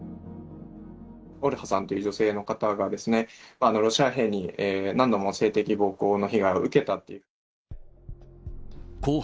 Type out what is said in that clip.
オルハさんという女性の方が、ロシア兵に何度も性的暴行の被害を受けたっていう。